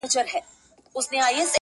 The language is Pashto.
چي خبر د کلي خلګ په دې کار سوه,